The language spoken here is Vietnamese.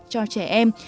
cho trẻ em